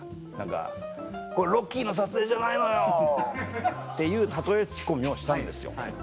ここ『ロッキー』の撮影じゃないのよ」っていう例えツッコミをしたんですよ。